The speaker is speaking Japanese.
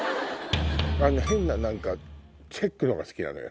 あの変なチェックのが好きなの。